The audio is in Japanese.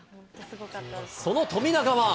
その富永は。